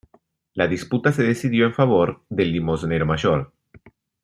La disputa se decidió en favor del limosnero mayor.